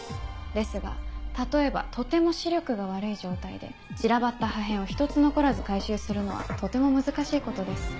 ですが例えばとても視力が悪い状態で散らばった破片を一つ残らず回収するのはとても難しいことです。